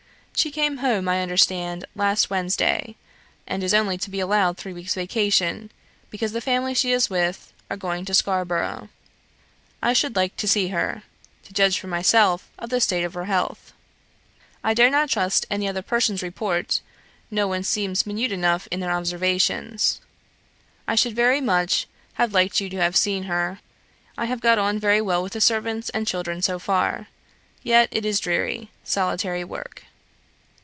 She came home, I understand, last Wednesday, and is only to be allowed three weeks' vacation, because the family she is with are going to Scarborough. I should like to see her, to judge for myself of the state of her health. I dare not trust any other person's report, no one seems minute enough in their observations. I should very much have liked you to have seen her. I have got on very well with the servants and children so far; yet it is dreary, solitary work.